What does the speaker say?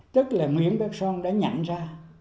tức là nguyễn bắc son đã nhận ra